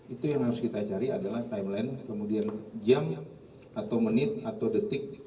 itu yang harus kita cari adalah timeline kemudian jam atau menit atau detik